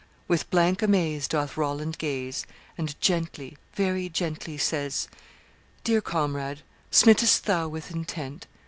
With blank amaze doth Roland gaze, And gently, very gently, says, 'Dear comrade, smit'st thou with intent?